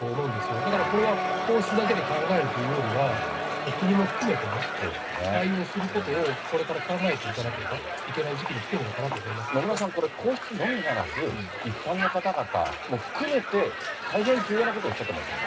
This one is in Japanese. だからこれは皇室だけで考えるというよりは、国も含めてね、対応することを、これから考えていかなければいけない時期に来てるのかなと思いま野村さん、これ、皇室のみならず一般の方々も含めて、大変重要なことをおっしゃってますよね。